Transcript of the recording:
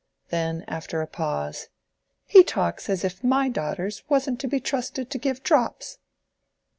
Then, after a pause, "He talks as if my daughters wasn't to be trusted to give drops."